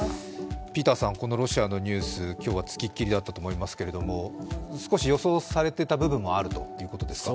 このロシアのニュース、今日はつきっきりだったと思いますけれども、少し予想されていた部分もあるということですか？